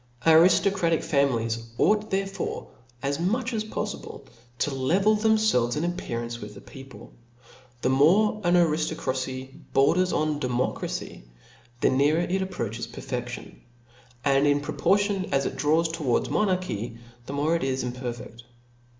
Ariftocratical families ought therefore, as mdch as poffible, to level themfelves in appearance with the people. The more an ariftocracy borders on democracy, the nearer it approaches to pcrfeftion : and, in proportion as it draws towards monarchy, the more it is impcrfeft.